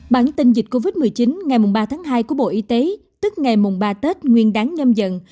bản tin dịch covid một mươi chín ngày ba tháng hai của bộ y tế tức ngày mùng ba tết nguyên đáng nhâm dần